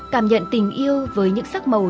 cảm nhận tình yêu với những sắc màu